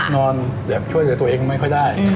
นอนหยั่งช่วยแห่งตัวเองไม่ค่อยได้